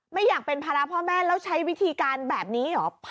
ไม่อยากเป็นภาระพ่อแม่แล้วใช้วิธีการแบบนี้เหรอ